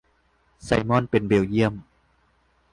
ไซมอนเป็นเบลเยียม